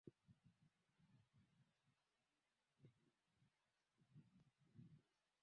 katika kutimiza maono na malengo ya kiuchumi kwa nchi